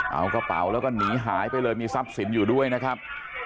เอากระเป๋าแล้วก็หนีหายไปเลยมีทรัพย์สินอยู่ด้วยนะครับ